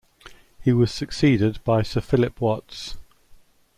He was succeeded by Sir Philip Watts.